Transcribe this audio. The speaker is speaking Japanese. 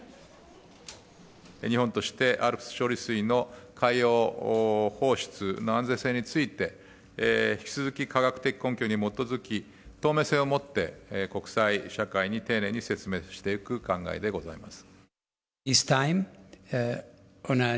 日本としてＡＬＰＳ処理水の海洋放出の安全性について、引き続き科学的根拠に基づき、透明性をもって、国際社会に丁寧に説明していく考えでございます。